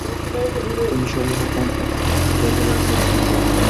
তিনি সর্বপ্রথম এক্টোপিক গর্ভধারণ নিয়ে বর্ণনা করেছেন।